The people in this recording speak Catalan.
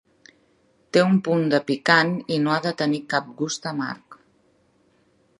Té un punt de picant i no ha de tenir cap gust amarg.